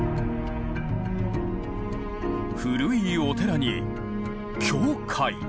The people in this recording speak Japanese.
古いお寺に教会。